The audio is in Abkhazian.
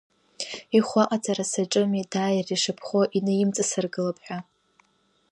Ихәы аҟаҵара саҿыми, дааир ишыԥхоу инаимҵасыргылап ҳәа.